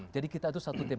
jadi kita itu satu tim